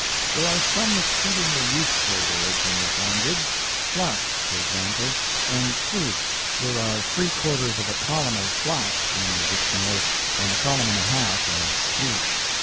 There are some exceedingly useful words in this language. SCHLAG, for example; and ZUG. There are three quarters of a column of SCHLAGS in the dictonary, and a column and a half of ZUGS.